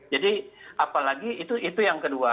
apalagi itu yang kedua